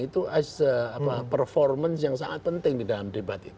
itu performance yang sangat penting di dalam debat itu